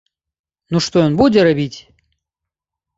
Ну што ён будзе рабіць?